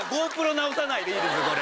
直さないでいいですこれ。